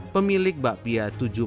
pemilik bakpia tujuh ratus empat belas